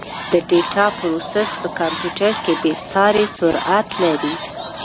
د ډیټا پروسس په کمپیوټر کې بېساري سرعت لري.